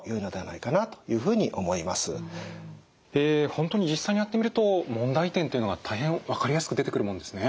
本当に実際にやってみると問題点というのが大変分かりやすく出てくるもんですね。